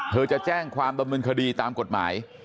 เธอจะแจ้งความบำมืนคดีตามกฎหมาย